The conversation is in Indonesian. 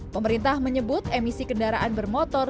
pemerintah menyebut emisi kendaraan bermotor